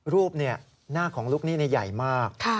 รูปเนี่ยหน้าของลูกหนี้เนี่ยใหญ่มาก